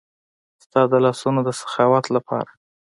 ستا د لاسونو د سخاوت د پاره